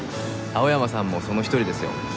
青山さんもその一人ですよ。